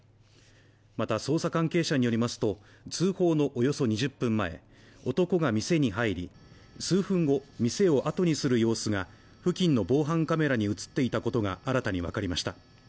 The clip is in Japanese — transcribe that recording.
また捜査関係者によりますと、通報のおよそ２０分前、男が店に入り、数分後、店をあとにする様子が付近の防犯カメラに映っていたことが新たにわかりました。